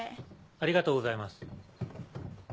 ありがとうございます。